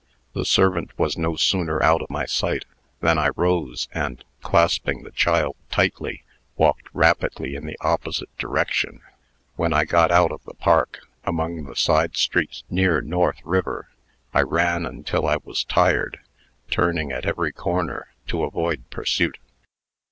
The servant was no sooner out of my sight, than I rose, and, clasping the child tightly, walked rapidly in the opposite direction. When I had got out of the park, among the side streets near North River, I ran until I was tired, turning at every corner, to avoid pursuit.